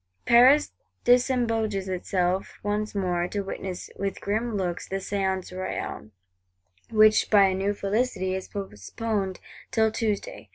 Paris disembogues itself once more, to witness, "with grim looks," the Séance Royale: which, by a new felicity, is postponed till Tuesday.